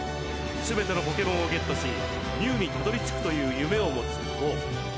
すべてのポケモンをゲットしミュウにたどりつくという夢を持つゴウ。